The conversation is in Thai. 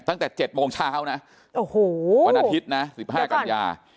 ตั้งแต่เจ็ดโมงเช้านะวันอาทิตย์นะสิบห้ากันยาย